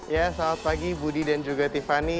ya selamat pagi budi dan juga tiffany